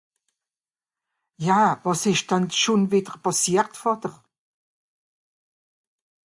Ja, wàs ìsch denn schùn wìdder pàssiert, Vàter ?